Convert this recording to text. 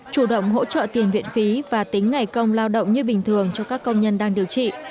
chủ động hỗ trợ tiền viện phí và tính ngày công lao động như bình thường cho các công nhân đang điều trị